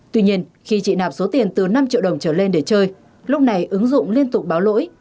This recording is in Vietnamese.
tuy nhiên khi chị nạp số tiền từ năm triệu đồng trở lên để chơi lúc này ứng dụng liên tục báo lỗi